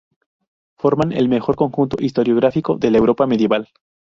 Forman el mejor conjunto historiográfico de la Europa medieval.